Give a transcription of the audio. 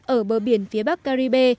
ở bờ biển phía bắc caribe